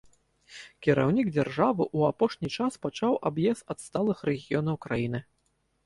Кіраўнік дзяржавы ў апошні час пачаў аб'езд адсталых рэгіёнаў краіны.